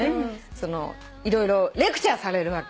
その色々レクチャーされるわけ。